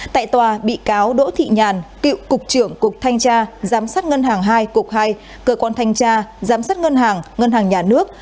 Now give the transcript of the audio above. tại tòa bị cáo đỗ thị nhàn cựu cục trưởng cục thanh tra giám sát ngân hàng hai cục hai cơ quan thanh tra giám sát ngân hàng ngân hàng nhà nước